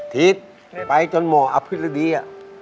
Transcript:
ทิศไปจนหมออภิรดี